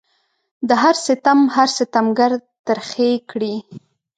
د هر ستم هر ستمګر ترخې کړي